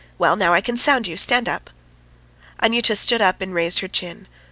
... Well, now I can sound you. Stand up!" Anyuta stood up and raised her chin.